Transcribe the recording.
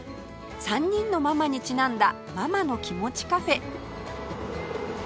３人のママにちなんだママノキモチカフェ